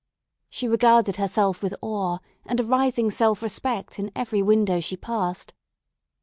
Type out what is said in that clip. She regarded herself with awe and a rising self respect in every window she passed.